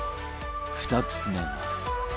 ２つ目は